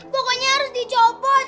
pokoknya harus dicopot